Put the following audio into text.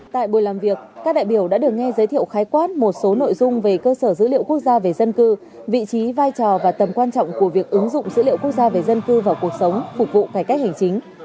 tại buổi làm việc các đại biểu đã được nghe giới thiệu khái quát một số nội dung về cơ sở dữ liệu quốc gia về dân cư vị trí vai trò và tầm quan trọng của việc ứng dụng dữ liệu quốc gia về dân cư vào cuộc sống phục vụ cải cách hành chính